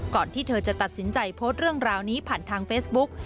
ที่เธอจะตัดสินใจโพสต์เรื่องราวนี้ผ่านทางเฟซบุ๊ก